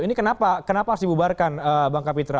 ini kenapa kenapa harus dibubarkan bang kapitra